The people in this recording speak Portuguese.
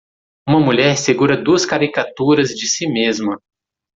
Uma mulher segura duas caricaturas de si mesma.